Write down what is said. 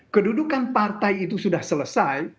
kedudukan partai itu sudah selesai